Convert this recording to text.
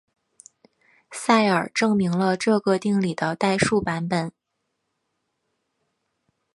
塞尔证明了这个定理的代数版本。